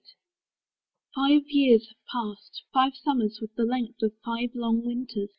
Five years have passed; five summers, with the length Of five long winters!